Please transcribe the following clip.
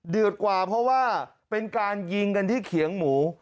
กว่าเพราะว่าเป็นการยิงกันที่เขียงหมู